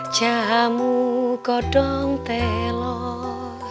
jamu kodong telok